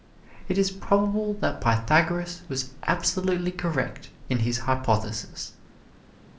It is probable that Pythagoras was absolutely correct in his hypothesis.